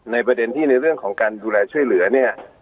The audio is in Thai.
ประเด็นที่ในเรื่องของการดูแลช่วยเหลือเนี่ย